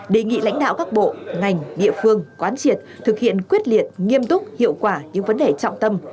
đề nghị lãnh đạo các bộ ngành địa phương quán triệt thực hiện quyết liệt nghiêm túc hiệu quả những vấn đề trọng tâm